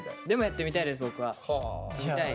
でもやってみたいです